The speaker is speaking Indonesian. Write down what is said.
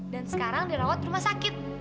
dan sekarang dirawat rumah sakit